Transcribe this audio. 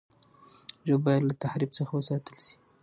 ژبه باید له تحریف څخه وساتل سي.